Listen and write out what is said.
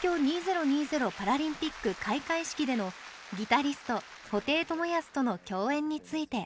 パラリンピック開会式でのギタリスト布袋寅泰との共演について。